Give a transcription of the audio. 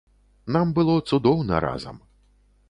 Нам было цудоўна разам.